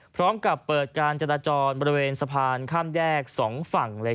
พร้อมกับเปิดการจราจรบริเวณสะพานข้ามแยก๒ฝั่ง